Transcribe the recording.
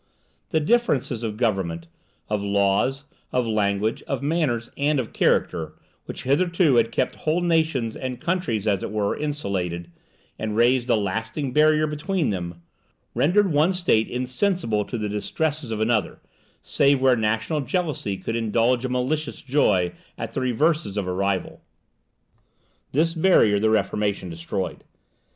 The differences of government, of laws, of language, of manners, and of character, which hitherto had kept whole nations and countries as it were insulated, and raised a lasting barrier between them, rendered one state insensible to the distresses of another, save where national jealousy could indulge a malicious joy at the reverses of a rival. This barrier the Reformation destroyed.